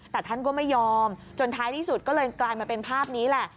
แต่ท่านก็ไม่ยอมจนท้ายที่สุดก็เลยกลายมาเป็นภาพนี้แหละ